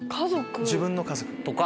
自分の家族？